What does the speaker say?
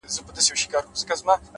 اخلاق د نوم تر شهرت ارزښتمن دي’